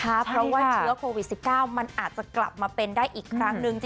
เพราะว่าเชื้อโควิด๑๙มันอาจจะกลับมาเป็นได้อีกครั้งหนึ่ง